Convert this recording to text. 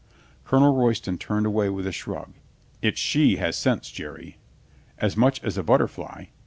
Colonel Royston turned away with a shrug. "It's she has sense, Jerry." "As much as a butterfly."